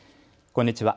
こんにちは。